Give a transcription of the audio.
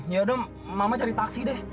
ya udah mama cari taksi deh